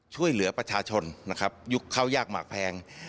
ช่วยเหลือประชาชนนะครับยุคเข้ายากหมากแพง